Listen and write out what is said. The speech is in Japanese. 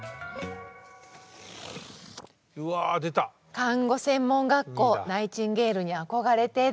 「看護専門学校ナイチンゲールに憧れて」です。